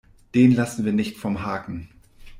Den lassen wir nicht vom Haken.